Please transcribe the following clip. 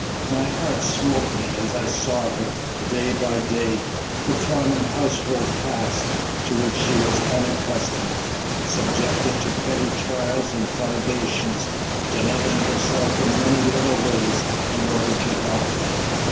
My heart smote me as I saw her, day by day, performing household tasks to which she was unaccustomed, subjected to petty trials and privations, denying herself in many little ways in order to help me.